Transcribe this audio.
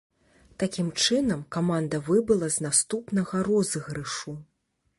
Такім чынам, каманда выбыла з наступнага розыгрышу.